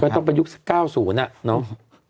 ก็ต้องไปยุค๙๐น่ะเนอะ